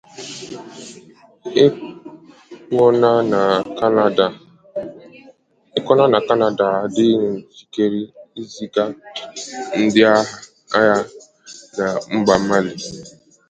ekwuona na Kanada adighị njikere iziga ndị agha na mba Mali